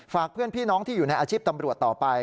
เพื่อนพี่น้องที่อยู่ในอาชีพตำรวจต่อไป